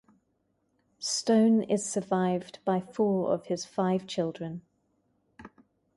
Stone is survived by four of his five children.